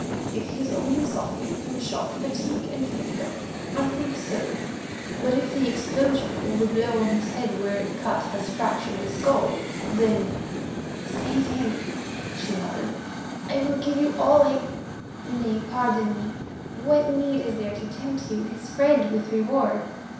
"If he is only suffering from shock, fatigue, and fever, I think so, but if the explosion or the blow on his head where it cut has fractured the skull, then——" "Save him," she muttered. "I will give you all I—nay, pardon me; what need is there to tempt you, his friend, with reward?